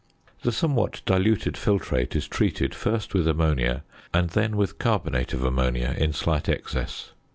The somewhat diluted filtrate is treated, first, with ammonia, and then with carbonate of ammonia in slight excess.